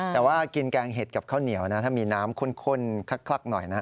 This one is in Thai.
แต่ว่ากินแกงเห็ดกับข้าวเหนียวนะถ้ามีน้ำข้นคลักหน่อยนะ